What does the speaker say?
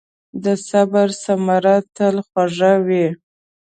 د صبر ثمره تل خوږه وي.